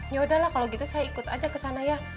yaudahlah kalo gitu saya ikut aja kesana ya